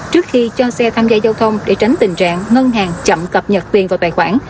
trước khi cho xe tham gia giao thông để tránh tình trạng ngân hàng chậm cập nhật tiền vào tài khoản